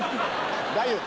大丈夫！